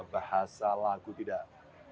bahasa lagu tidak